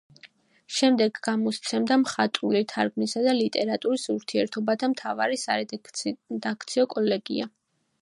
შემდეგ გამოსცემდა მხატვრული თარგმანისა და ლიტერატურის ურთიერთობათა მთავარი სარედაქციო კოლეგია.